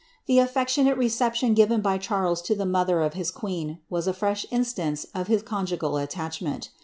The affectionate recep* tion given by Charles to the mother of his queen, was a fresh instance of his conjugal attachment.